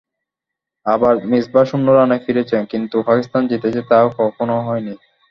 আবার মিসবাহ শূন্য রানে ফিরেছেন, কিন্তু পাকিস্তান জিতেছে, তা-ও কখনো হয়নি।